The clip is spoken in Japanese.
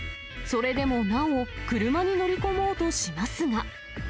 それでもなお、車に乗り込もうとしますが。